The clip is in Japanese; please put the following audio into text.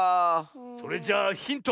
それじゃあヒント。